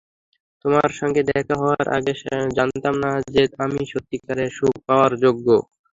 তোমার সঙ্গে দেখা হওয়ার আগে, জানতাম না যে আমি সত্যিকারের সুখ পাওয়ার যোগ্য।